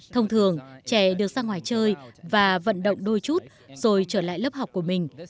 thông thường trẻ được ra ngoài chơi và vận động đôi chút rồi trở lại lớp học của mình